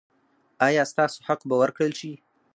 ایا ستاسو حق به ورکړل شي؟